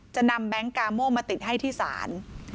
จะนำแบงค์กาโม่มาติดให้ที่ศาล